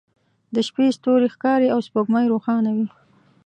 د شپې ستوری ښکاري او سپوږمۍ روښانه وي